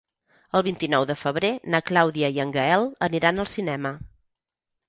El vint-i-nou de febrer na Clàudia i en Gaël aniran al cinema.